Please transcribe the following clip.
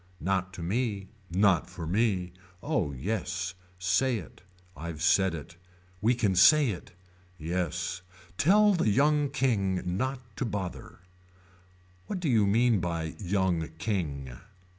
Not to me. Not for me. Oh yes. Say it. I've said it. We can say. Yes. Tell the young king not to bother. What do you mean by young king.